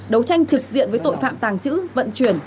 đấu tranh trực diện với tội phạm tàng trữ vận chuyển